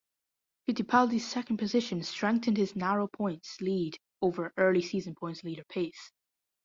Fittipaldi's second position strengthened his narrow points lead over early season points leader Pace.